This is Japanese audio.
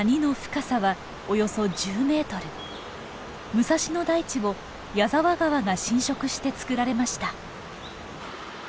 武蔵野台地を谷沢川が浸食してつくられました。